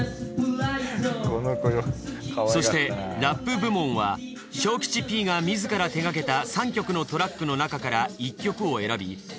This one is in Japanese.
そしてラップ部門はＳＨＯＫＩＣＨＩＰが自ら手がけた３曲のトラックのなかから１曲を選び